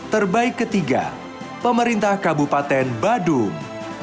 terbaik ketiga pemerintah kabupaten badung